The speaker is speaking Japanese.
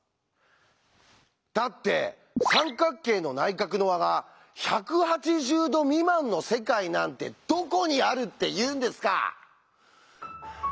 だって三角形の内角の和が１８０°未満の世界なんてどこにあるっていうんですか！